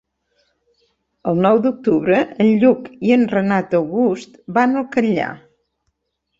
El nou d'octubre en Lluc i en Renat August van al Catllar.